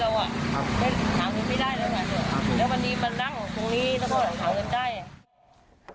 แล้ววันนี้มานั่งตรงนี้แล้วก็หาเงินได้